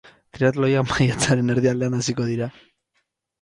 Triatloiak maiatzaren erdialdean hasiko dira.